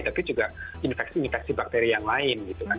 tapi juga infeksi infeksi bakteri yang lain gitu kan